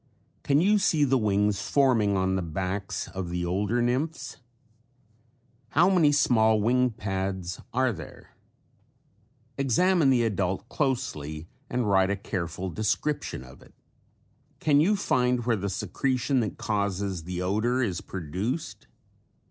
Can you see the wings forming on the backs of the older nymphs? How many small wing pads are there? Examine the adult closely and write a careful description of it. Can you find where the secretion that causes the odor is produced?